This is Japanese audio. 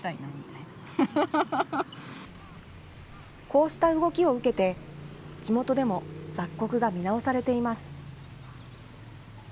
こうした動きを受けて、地元でも雑穀が見直されています。